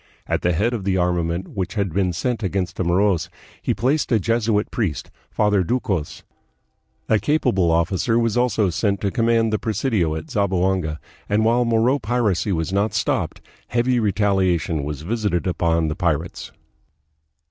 At the head of the armament which had been sent against the Moros he placed a Jesuit priest, Father Ducos. A capable officer was also sent to command the presidio at Zamboanga, and while Moro piracy was not stopped, heavy retaliation was visited upon the pirates.